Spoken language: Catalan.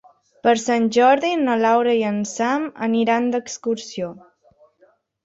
Per Sant Jordi na Laura i en Sam aniran d'excursió.